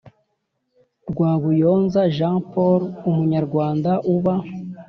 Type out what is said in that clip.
Rwabuyonza jean paul umunyarwanda uba